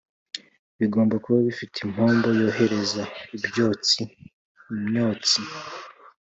bigomba kuba bifite impombo yohereza ibyotsi (imyotsi)